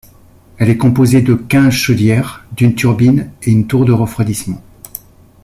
Elle est composée de quinze chaudières, d'une turbine et une tour de refroidissement.